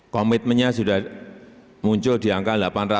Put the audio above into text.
komitmennya sudah muncul di angka delapan ratus